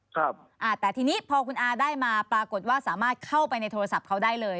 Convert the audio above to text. ครับอ่าแต่ทีนี้พอคุณอาได้มาปรากฏว่าสามารถเข้าไปในโทรศัพท์เขาได้เลย